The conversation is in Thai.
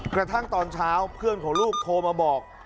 กระทั่งตอนเช้าเพื่อนของลูกโทรมาบอก